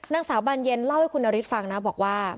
นางสาวบานเย็นเล่าให้คุณนฤทธิฟังนะบอกว่า